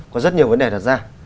có rất nhiều vấn đề đặt ra